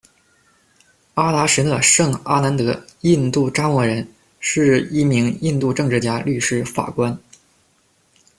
阿达什讷·盛·阿南德，印度查谟人，是一名印度政治家、律师、法官。